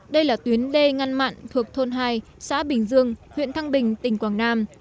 đây là tuyến đê ngăn mặn thuộc thôn hai xã bình dương huyện thăng bình tỉnh quảng nam